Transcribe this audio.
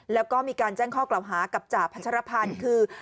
แล้วก็มีการแจ้งข้อกล่าวหากับจ่าพัชรพันธ์คือ